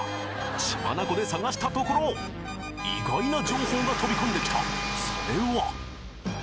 血眼で探したところ意外な情報が飛び込んできた。